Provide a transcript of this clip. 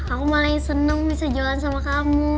aku malah yang seneng bisa jalan sama kamu